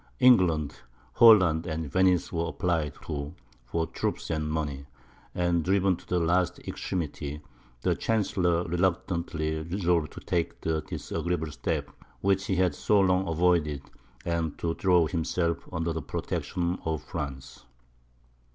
England, Holland, and Venice were applied to for troops and money; and, driven to the last extremity, the chancellor reluctantly resolved to take the disagreeable step which he had so long avoided, and to throw himself under the protection of France.